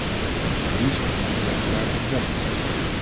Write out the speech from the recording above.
Links heeft daartoe uiteraard het recht.